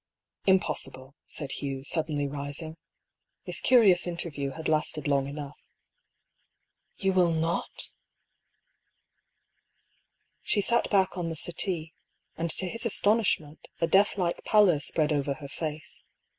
"Impossible," said Hugh, suddenly rising. This curious interview had lasted long enough. " You will not f " She sat back on the settee, and to his astonishment, a deathlike pallor spread over her face.